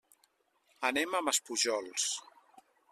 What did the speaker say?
Anem a Maspujols.